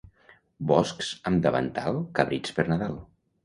Bocs amb davantal, cabrits per Nadal.